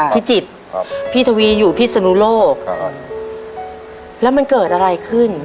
จิตครับพี่ทวีอยู่พิศนุโลกครับแล้วมันเกิดอะไรขึ้น